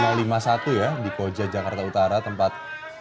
terima kasih lima puluh satu ya di koja jakarta utara tempat